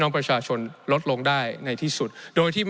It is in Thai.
ในช่วงที่สุดในรอบ๑๖ปี